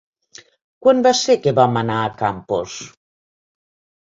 Quan va ser que vam anar a Campos?